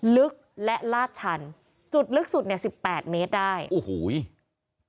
ลึกและลาดชันจุดลึกสุดเนี่ยสิบแปดเมตรได้โอ้โห